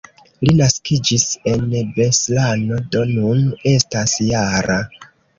Li naskiĝis en Beslano, do nun estas -jara.